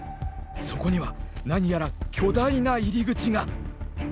そこには何やら巨大な入り口が。